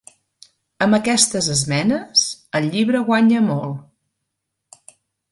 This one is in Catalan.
Amb aquestes esmenes, el llibre guanya molt.